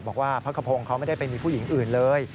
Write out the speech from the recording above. บอกว่าพระขพงศ์เขาไม่ได้ไปมีผู้หญิงอื่นเลย